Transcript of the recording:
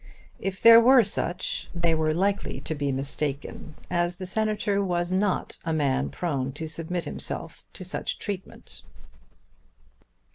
If there were such they were likely to be mistaken, as the Senator was not a man prone to submit himself to such treatment.